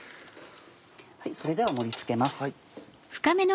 それでは盛り付けます。